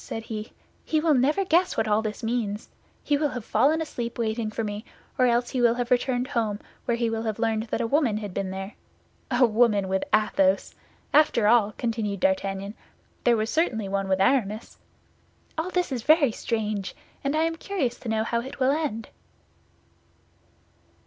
said he; "he will never guess what all this means. He will have fallen asleep waiting for me, or else he will have returned home, where he will have learned that a woman had been there. A woman with Athos! After all," continued D'Artagnan, "there was certainly one with Aramis. All this is very strange; and I am curious to know how it will end."